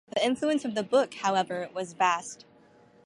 The influence of the book, however, was vast.